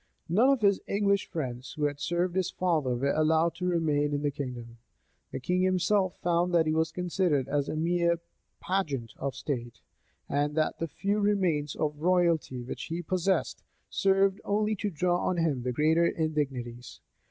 None of his English friends, who had served his father, were allowed to remain in the kingdom. The king himself found that he was considered as a mere pageant of state, and that the few remains of royalty which he possessed, served only to draw on him the greater indignities.